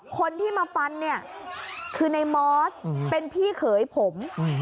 คนที่มาฟันเนี่ยคือในมอสเป็นพี่เขยผม